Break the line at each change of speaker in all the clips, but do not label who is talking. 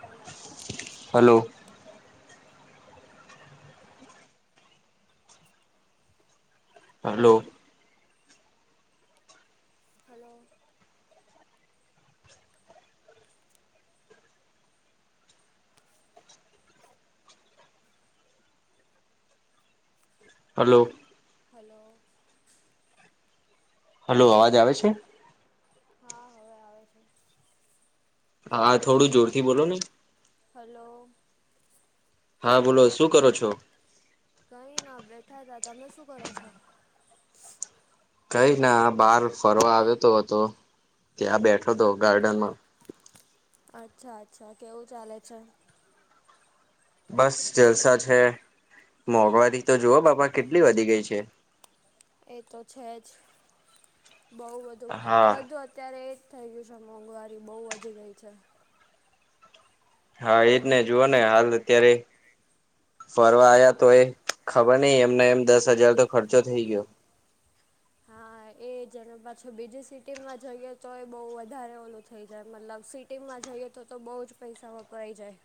Hello.
Hello hello
hello.
Hello.
Hello.
Hello
hello,
અવાજ આવે છે?
હા હવે આવે છે.
હા થોડું જોરથી બોલો ને.
હલો.
હા બોલો શું કરો છો?
કઈ ના બેઠા હતા તમે શું કરો છો?
કઈ ના બહાર ફરવા આવ્યો તો હતો ત્યાં બેઠો હતો ગાર્ડનમાં.
અચ્છા અચ્છા કેવું ચાલે છે?
બસ જલસા છે મોંઘવારી તો જુવો બાપા કેટલી વધી ગઈ છે.
એ તો છે જ બહુ
હા
વધુ અત્યારે એ જ થઈ ગયું છે મોંઘવારી બહુ વધી ગઈ છે.
હા એજ ને જુઓ ને હાલ અત્યારે ફરવા આયા તોય, ખબર નહિ એમને એમ દસ હજાર તો ખર્ચો થાય ગયો.
હા એ જ ને પાછું બીજી સિટીમાં જઈએ તો એ બહુ વધારે ઓલું થઈ જાય મતલબ સિટી એમાં જઈએ તો તો બહુ જ પૈસા વપરાઈ જાય.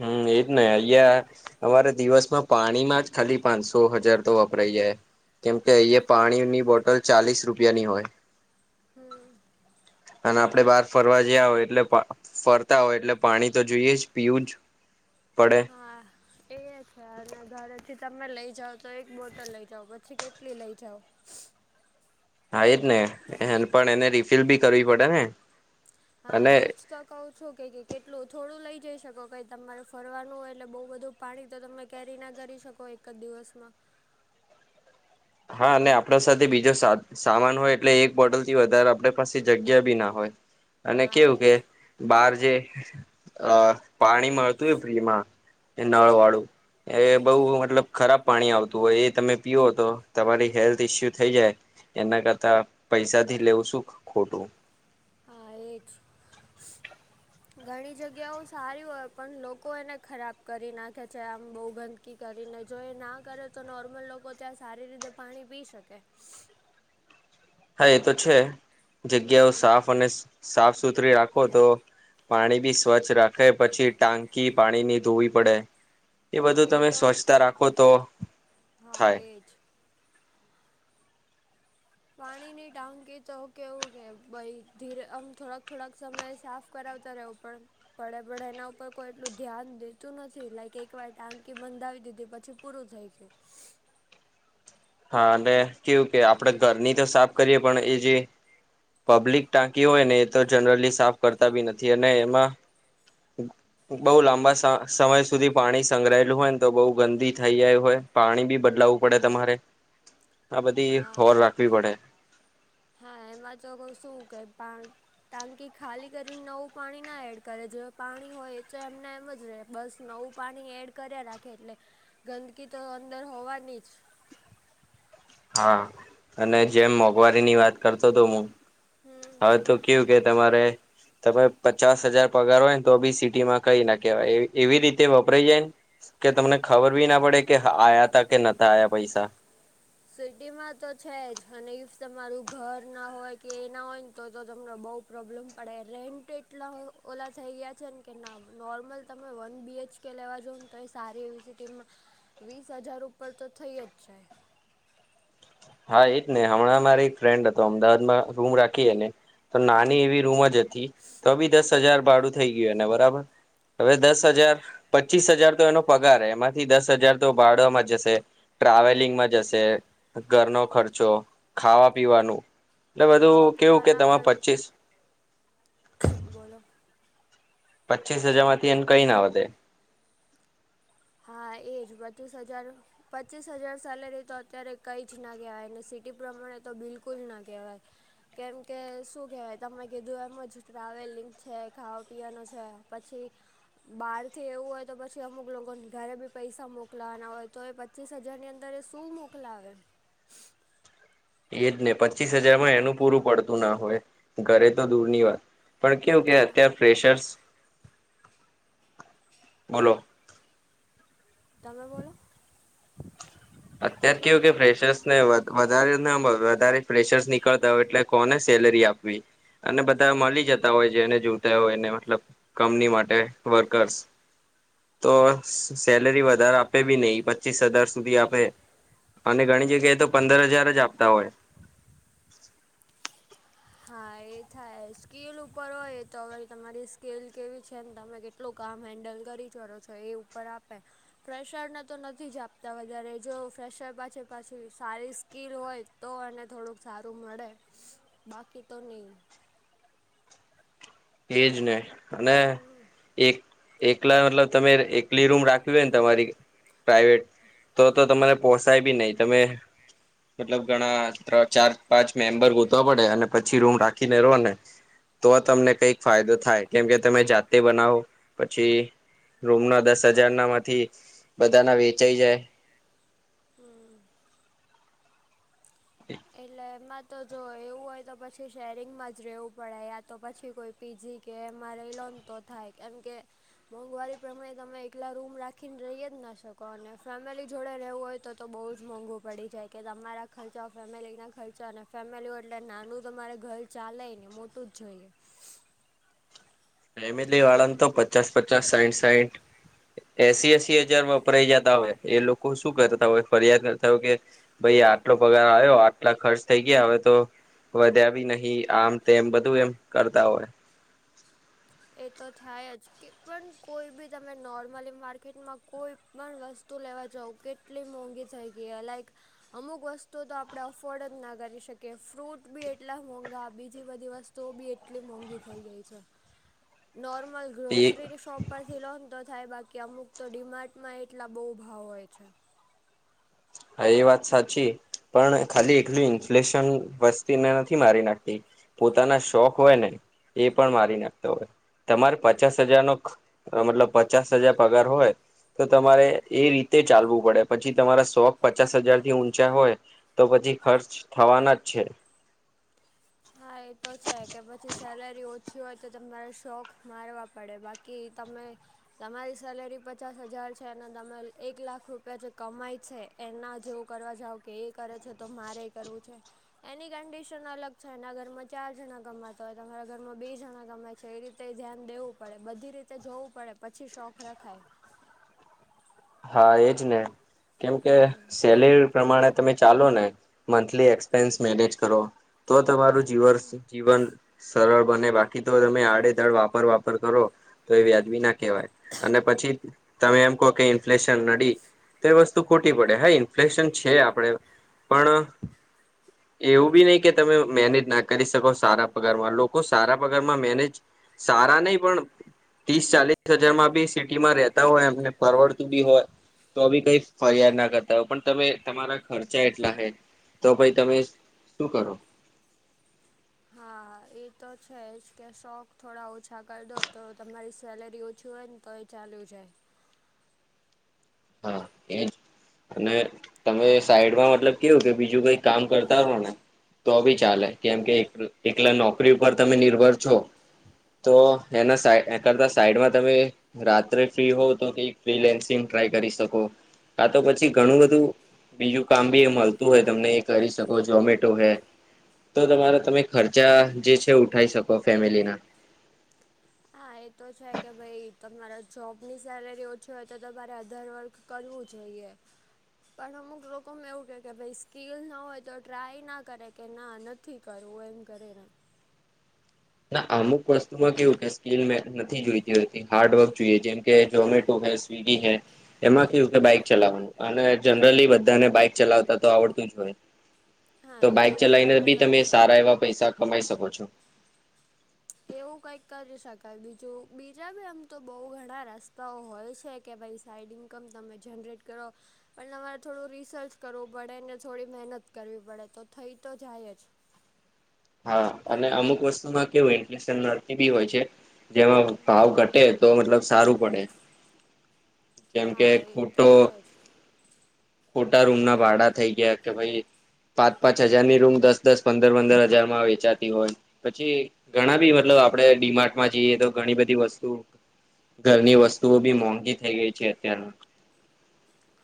હમ એજ ને અહિયાં અમારે દિવસમાં પાણીમાં જ ખાલી પાંચસો હજાર તો વપરાય જાય. કેમ કે અહીયા પાણીની બોટલ ચાલીસ રૂપિયાની હોય.
હમ.
અને આપણે બહાર ફરવા જયા હોય એટલે ફરતા હોય એટલે પાણી તો જોઈએ જ પીવું જ પડે.
હા એ એ છે અને ઘરેથી તમે લઈ જાઓ તો એક બોટલ લઈ જાવ પછી કેટલી લઈ જાવ.
હા એ જ ને એ પણ
હમ
એને રિફિલ બી કરવી પડે ને.
હા
અને
એ જ તો કહુ છું કે કેટલું થોડું લઈ જઈ શકો કઈ તમારે ફરવાનું હોય એટલે બઉ બધું પાણી તો તમે કેરી ના કરી શકો એક જ દિવસમાં.
હા અને આપણા સાથે બીજો સા સામાન હોય એટલે એક બોટલ થી વધારે આપણી પાસે જગ્યા બી ના હોય. અને
હા
કેવું કે
એજ
બહાર જે અ પાણી મળતું હોય ફ્રી માં એ નળ વાળું એ બહુ મતલબ ખરાબ પાણી આવતું હોય એ તમે પીવો તો તમારી હેલ્થ ઈસ્યુ થઈ જાય એના કરતા પૈસાથી લેવું શું ખ ખોટું.
હા એજ [unintelligible] ઘણી જગ્યાઓ સારી હોય પણ લોકો એને ખરાબ કરી નાખે છે આમ બોહુ ગંદ કી કરીને જો એ ના કરે તો નોર્મલ લોકો ત્યાં સારી રીતે પાણી પી શકે.
હા એ તો છે જગ્યાઓ
હમ
સાફ અને શ સાફ સુથરી રાખો તો પાણી બી સ્વચ્છ રાખે પછી ટાંકી પાણી ની ધોવી પડે એ બધું તમે સ્વચ્છતા રાખો તો
હા
થાય.
એજ પાણી ની ટાંકી તો કેવું કે ભઈ ધીરે આમ થોડાક થોડાક સમયે સાફ કરાવતા રેવો પણ પડે પડે એના ઉપર કોઈ એટલું ધ્યાન દેતું નથી લાઈક એક વાર ટાંકી બંધાવી દીધી પછી પૂરું થઈ ગ્યું. [inaudible]
હા અને કેવું કે આપડે ઘરની તો સાફ કરીએ પણ એ જે પબ્લિક ટાંકી હોયને તો જનરલી સાફ કરતા બી નથી અને એમાં [unintelligible] બહુ લાંબા સા સમય સુધી પાણી સંગ્રહાયેલું હોયન તો બોહું ગંદી થઈ જાય એવું હોય. પાણી બી બદલાવવું પડે તમારે આ બધી
હા
ખબર રાખવી પડે.
હા એમાં [unintelligible] શું કે પાણ ટંકી ખાલી કરીન નવું પાણી ના એડ કરે જો પાણી હોય [unintelligible] એમને એમ જ રે. બસ નવું [unintelligible] એડ કર્યા રાખે એટલે ગંદકી તો અંદર હોવાની જ.
હા અને જેમ મોંઘવારી ની વાત કરતો હતો હું.
હમ
હવે તો કેવું કે તમારે તમે પચાસ હજાર પગાર હોયન તો બી સિટીમાં કઈ ના કહેવાય એવી એવી રીતે વપરાય જાયન કે તમને ખબર બી ના પડે કે હ આયાતા કે નતા આયા પૈસા.
સિટીમાં તો છે જ અને ઈફ તમારું ઘર ના હોય કે એના હોયન તો તો તમને બહુ પ્રોબ્લેમ પડે રેન્ટ એટલા ઓ ઓલા થઈ ગયા છે ન કે ના નોર્મલ તમે વન બીએચ કે લેવા જોવ ને તો એ સારી એવી સીટી માં વીસ હજાર ઉપર તો થઈ જ જાય.
હા એજ ને હમણાં મારે એક ફ્રેન્ડ હતો અમદાવાદમાં રૂમ રાખી એને તો નાની એવી રૂમ જ હતી તો બી દસ હજાર ભાડું થઈ ગ્યું એને બરાબર. હવે દસ હજાર પચ્ચીસ હજાર તો એનો પગાર હે એમાંથી દસ હજાર તો ભાડામાં જશે.
હમ
ટ્રાવેલિંગમાં જશે. ઘરનો ખર્ચો ખાવા પીવાનું અને
ખાવા
બધું કેવું કે
પીવાના
[unintelligible] પચ્ચીસ
[inaudible] બોલો.
પચ્ચીસ હજાર માંથી એન કઈ ના વધે.
હા એજ [unintelligible] પચ્ચીસ હજાર સેલેરી તો અત્યારે કાઈ જ ના કહેવાય ને સિટી પ્રમાણે તો બિલકુલ ના કહેવાય. કેમ કે શું કહેવાય તમે કીધું એમ જ ટ્રાવેલિંગ છે ખાવા પીવાનું છે. પછી બાર થી એવું હોય તો પછી અમુક લોકોન ઘરે બી પૈસા મોકલાવાના હોય તો એ પચ્ચીસ હજારની અંદર એ શું મોકલાવે?
એજ ને પચ્ચીસ હજારમાં એનું પૂરું પડતું ના હોય ઘરે તો દૂર ની વાત. પણ કેવું કે
ના
અત્યાર ફેશર્સ બોલો
તમે બોલો.
અત્યાર કેવું કે ફ્રેશર્સ ને વધ વધારે ના [unintelligible] વધારે ફ્રેશર્સ નીકળતા હોય એટલે. કોને સેલરી આપવી અને બધા મલી જતા હોય છે અને જુતા હોય એને મતલબ કંમની માટે વર્કર્સ. તો સેલરી વધારે આપે બી નહી પચીસ હજાર સુધી આપે અને ઘણી જગ્યાએ તો પંદર હજાર જ આપતા હોય.
હા એ થાય સ્કીલ ઉપર હોય તો હવે વળી તમારી સ્કીલ કેવી છે ને તમે કે કેટલું કામ હેન્ડલ કરી ચરો છો એ ઉપર આપે. ફ્રેશર ને તો નથી જ આપતા વધારે જો ફ્રેશર પાસે પાછી સારી સ્કીિલ હોય તો એને થોડુંક સારું મળે બાકી તો નહીં.
એજ નને અને
હમ
એક એકલા મતલબ તમે કલી રૂમ રાખવી હોય ને તમારી પ્રાાઈવેટ તો તો
હા
તમારે પોહસાય બી નહી તમે મતલબ ઘણા ત્રણ ચાર પાંચ મેમ્બર ગોતવા પડે અને પછી પછી રૂમ રાખીને રહો ને તો આ તમને કઈક ફાયદો થાય કેમ કે તમે જાતે બનાવો પછી રૂમના દસ હજાર ના માંથી બધા ના વેચાઈ જાય
હમ એટલે એમાં તો જો એવું હોય તો પછી શેરિંગમાં જ રહેવું પડે યા તો પછી કોઈ પીજી કે એમાં લઈ લો ન તો થાય કેમ કે મોંઘવારી પ્રમાણે તમે એકલા રૂમ રાખીને રહી જ ના શકો અને ફેમિલી જોડે રહેવું હોય તો તો બહુ જ મોંઘુ પડી જાય કે તમારા ખર્ચ ફેમિલીના ખર્ચો અને ફેમિલી હોય એટલે નાનું તમારે ઘર ચાલેય નઈ મોટું જ જોઈએ
ફેમિલી વાળ ન તો પછ પચાસ પચાસ સાઈઠ સાઈઠ એસી એસી હજાર વપરાય જતા હોય એ લોકો શું કરતા હોય ફરિયાદ કરતા હોય કે ભાઈ આટલો પગાર આવ્યો આટલા ખર્ચ થઇ ગયા હવે તો વધ્યા બી નહિ આમ તેમ બધું ય એમ કરતા હોય
એ તો થાય જ કે પણ કોઈ બી તમે નોર્મલી માર્કેટમાં કોઈ પણ વસ્તુ તું લેવા જઉ કેટલી મોંઘી થઈ ગઈ લાઈક અમુક વસ્તુ તો આપણે અફોર્ડ જ ના કરી શકીએ ફ્રૂટ બી એટલા મોંઘા બીજી બધી વસ્તુ તો બી એટલી મોંઘી થઈ ગઈ છે નોર્મલ
એ
ગ્રોસરી શોપ ઉપરથી લોન તો થાય બાકી અમુક તો ડીમાર્ટમાં એટલા બહુ ભાવ હોય છે
હા એ વાત સાચી પણ ખાલી એકલું ઇંચ ફેશન વસ્તીને નથી મારી નાખતી પોતાના શોખ હોય ને એ પણ મારી નાખતો હોય તમારે પચાસ હજારનો મતલબ પચાસ હજાર પગાર હોય તો તમારે એ રીતે ચાલવું પડે પછી તમારા શોખ પચાસ હજારથી ઊંચા હોય તો પછી ખર્ચ થવાના જ છે
હા એ તો છે કે પછી સેલેરી ઓછી હોય તો તમારે શોખ મારવા પડે બાકી કી તમે તમારી સેલેરી પચાસ હજાર છે અને તમે એક લાખ રૂપિયા જે કમાય છે એના જેવું કરવા કે એ કરે છે તો મારે એ કરવું છે એની કન્ડીશન અલગ છે એના ઘરમાં ચાર જણા ગમાતા હોય તમારા ઘરમાં બે જણા ગમાય છે એ રીતે ધ્યાન દેવું પડે બધી રીતે એ રીતે જોવું પડે પછી શોખ રખાય
હા એજ ને કેમ કે
હમ
સેલેરી એ પ્રમાણે તમે ચાલો ને મંથલી એક્સપેન્સ મેનેજ કરો તો તમારું જીવન શું જીવન સરળ બને બાકી તો તમે આડે ધડ વાપર વાપર કરો તો એ વ્યાજબી નાખ કેવાય અને પછી તમે એમ કહો કે ફ્લેશન નડી તે વસ્તુ ખોટી પડે હા ઇન્ફ્લેશન છે આપડે પણ એવું બી નઈ કે તમે મેનેજ ના કરી શકો સારા પગારમાં લોકો સારા પગારમાં મેનેજ સારા નઈ પણ ત્રીસ ચાલીસ હજારમાં બી સિટીમાં રેતા હોય એમને પરવડ [unintelligible] હોય તો બી કઈ ફરિયાદના કરતા હોય પણ તમે તમારા ખર્ચા એટલા હૈ તો ભઈ તમે શું કરો?
હા એ તો છે જ કે શોખ થોડા ઓછા કરી દો તો તમારી સેલેરી ઓછી હોય ન તોય ચાલ્યું જાય.
હા એ ને તમે સાઈડમાં મતલબ કેવું કે બીજું કઈ કામ કરતા હો ને તો બી ચાલે કેમ કે એક એકલા નોકરી ઉપર તમે નિર્ભર છો. તો એના સાઈ એ કરતા સાઈડમાં તમે રાત્રે ફ્રી હોવ તો કે એક ફ્રીલેન્સિંગ ટ્રાય કરી શકો. કા તો પછી ઘણું બધું બીજું કામ બી એ મલતું હોય તમને એ કરી શકો. ઝોમેટો હૈ તો તમારા તમે ખર્ચા જે છે ઉઠાઈ શકો ફેમિલી ના.
હા એ તો છે કે ભઈ તમારા જોબની સેલેરી ઓછી હોય તો તમારે અધર વર્ક કરવું જોઈએ. પણ અમુક લોકોને એવું કે કે ભાઈ સ્કીલ ના હોય તો ટ્રાય ના કરે કે ના ન થી કરવું એમ કરેરા
ના અમુક વસ્તુમાં કેવું કે સ્કીલ મે નથી જોઈતી હતી હાર્ડવર્ક જોયે જેમ કે ઝોમેટો હે સ્વી વીગી હે. એમાં કયું કે બાઈક ચલાવવાનું અને જનરલી બધાને બાઈક ચલાવતા તો આવડતું જ હોય.
હા
તો બાઈક
એવું
ચલાવીને બી
કરી
તમે
શકો
સારા એવા પૈસા કમાઈ શકો છો.
એવું કંઈક કરી શકાય બીજું બીજા બી આમ તો બઉ ઘણા રસ્તાઓ હોય છે. કે ભાઈ સાઈડ ઈન્કમ તમે ઝનરેટ કરો. પણ તમારે થોડું રિસર્ચ કરવું પડે ને થોડી મહેનત કરવી પડે તો થઈ તો જાય જ.
હા અને અમુક વસ્તુમાં કેવું ઈન્ટલેશનર [unintelligible] બી હોય છે. જેમા ભાવ ઘટે તો બતલબ સારું પડે. કેમ કે
હા એ તો
ખૂટો
છે જ
ખોટા રૂમ ના ભાડા થઈ ગયા કે ભઈ, પાંચ પાંચ હજારની રૂમ દસ દસ પંદર પંદર હજારમા માં વેચાતી હોય. પછી ઘણા બી મતલબ આપડે ડીમાર્ટમાં જઈએ તો ઘણી બધી વસ્તુ ઘરની વસ્તુઓ બી મોંઘી થઈ ગઈ છે અત્યારના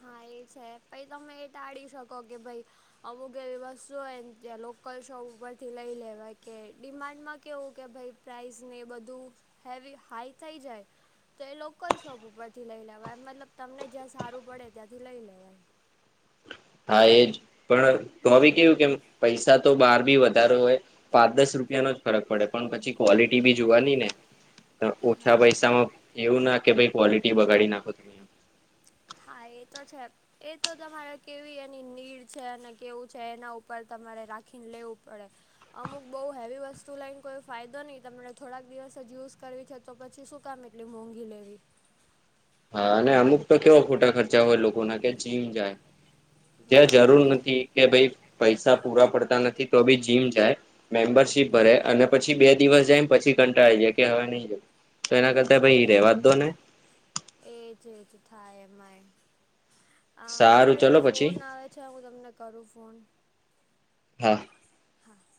હા એ છે પહી તમે એ ટાળી શકો કે ભઈ અમુક એવી વસ્તુ હોય ત્યાં લોકલ શોપ ઉપરથી લઈ લેવાય કે ડિમાન્ડમાં કેવું કે ભઈ પ્રાઈઝને એ બધું હેવી હાઈ થઈ જાય. તો એ લોકલ શોપ ઉપર થી લઈ લેવાય. મતલબ તમને જ્યાં સારું પડે ત્યાંથી લઈ લેવાય.
હા એજ પણ તોબી કેવું કે એમ પૈસા તો બહાર બી વધારે હોય. પાંચ દસ રૂપિયાનો જ ફરક પડે પણ પછી ક્વોલિટી બી જોવાનીને ઓછા
હા.
પૈસામાં એવું ના કે ભઈ ક્વોલિટી બગાડી નાખો તમે.
હા એ તો છે. એ તો તમારે કેવી એની નીડ છે ને કેવું છે એના ઉપર તમારે રાખીને લેવું પડે. અમુક બઉ હેવી વસ્તુ લઈન કોઈ ફાયદો ની તમને થોડાક દિવસ જ યુઝ કરવી છે તો પછી શું કામ એટલી મોંઘી લેવી.
હા અને અમુક તો કેવા ખોટા ખર્ચા હોય લોકો ના કે જીમ જાય. ત્યાં
હા
જરૂર નથી કે ભાઈ પૈસા પૂરા પડતા નથી તો ભી જીમ જાય મેમ્બરશીપ ભરે અને પછી બે દિવસ જાય પછી કંટાળી જાય કે હવે નહી જવું. તો એના કરતા ભઈ રહેવા દો ને
એજ એજ થાય એમાંય અહ મારો
સારું
એક
ચલો પછી
ફોન આવે છે હું તમને કરું ફોન.
હા.
હા.